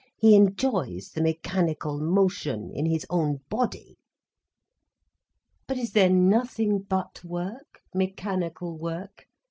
He enjoys the mechanical motion, in his own body." "But is there nothing but work—mechanical work?"